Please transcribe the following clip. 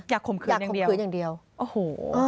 อยากข่มขืนอย่างเดียวอยากข่มขืนอย่างเดียวโอ้โห